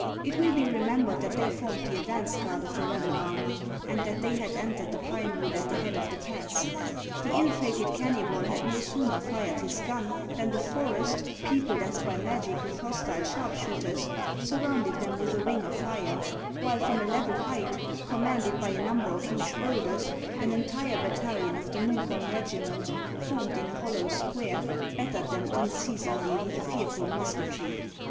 It will be remembered that they formed the advance guard of the rebel army, and that they had entered the pine wood at the head of the pass. The ill fated Kennybol had no sooner fired his gun, than the forest, peopled as by magic with hostile sharpshooters, surrounded them witli a ring of fire ; while from a level height, commanded by a number of huge bowlders, an entire battalion of the Munkholm regiment, formed in a hollow square, battered them un ceasingly with a fearful musketry.